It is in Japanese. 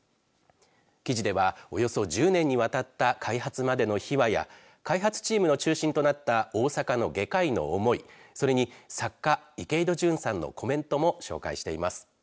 記事ではおよそ１０年にわたった開発までの秘話や開発チームの中心となった大阪の外科医の思いそれに作家、池井戸潤さんのコメントも紹介しています。